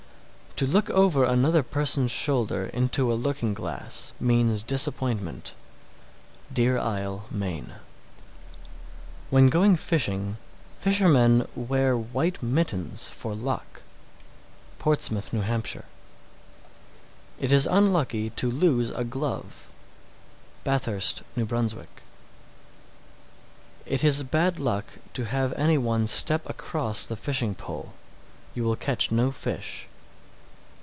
To look over another person's shoulder into a looking glass means disappointment. Deer Isle, Me. 680. When going fishing, fishermen wear white mittens for luck. Portsmouth, N.H. 681. It is unlucky to lose a glove. Bathurst, N.B. 682. It is bad luck to have any one step across the fishing pole; you will catch no fish.